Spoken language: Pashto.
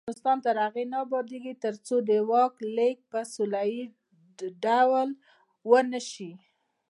افغانستان تر هغو نه ابادیږي، ترڅو د واک لیږد په سوله ییز ډول ونشي.